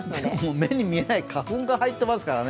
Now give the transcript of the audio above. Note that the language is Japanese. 目に見えない花粉が入ってますからね。